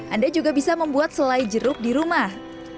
anda juga bisa membuat selai jeruk di rumah